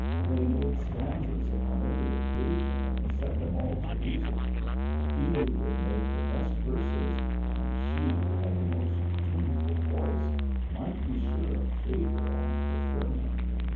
They made stanzas upon every oc casion, and set them all to music. He who could make the best verses, and she who had the most tuneful voice, might be sure of favour and prefer ment.